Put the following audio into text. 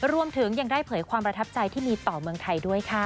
รวมถึงยังได้เผยความประทับใจที่มีต่อเมืองไทยด้วยค่ะ